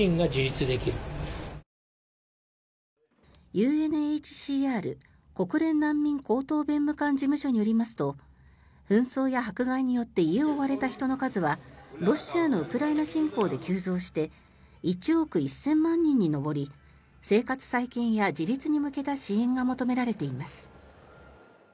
ＵＮＨＣＲ・国連難民高等弁務官事務所によりますと紛争や迫害によって家を追われた人の数はロシアのウクライナ侵攻で急増して１億１０００万人に上り生活再建や自立に向けた支援が求められています。